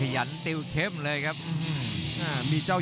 ยังไงยังไง